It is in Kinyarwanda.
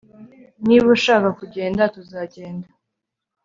Niba ushaka kugenda tuzagenda